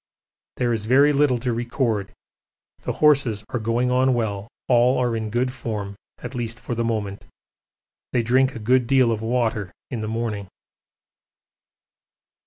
There is very little to record the horses are going on well, all are in good form, at least for the moment. They drink a good deal of water in the morning.